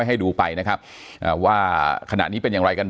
อย่างที่บอกไปว่าเรายังยึดในเรื่องของข้อ